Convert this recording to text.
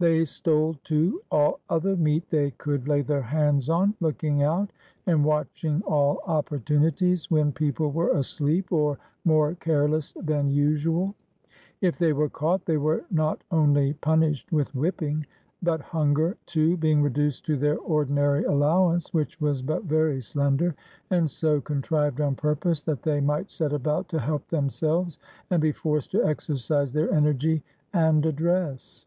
They stole, too, all other meat they could lay their hands on, looking out and watching all oppor tunities, when people were asleep or more careless than usual. If they were caught, they were not only punished with whipping, but hunger, too, being reduced to their ordinary allowance, which was but very slender, and so contrived on purpose, that they might set about to help themselves, and be forced to exercise their energy and address.